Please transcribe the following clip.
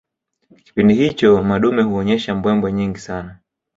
Kipindi hicho madume huonyesha mbwembwe nyingi sana